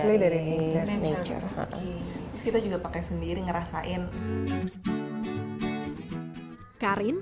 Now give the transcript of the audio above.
terus kita juga pakai sendiri ngerasain karin